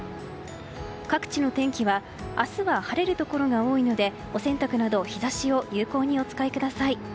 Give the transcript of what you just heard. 各地の天気は明日は晴れるところが多いのでお洗濯など日差しを有効にお使いください。